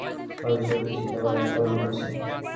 আমাদের স্বাতীকে চিতাবাঘ আক্রমণ করেছে।